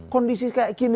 kondisi kayak gini